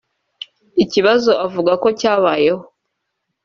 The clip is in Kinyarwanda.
Ikibazo avuga ko cyabayeho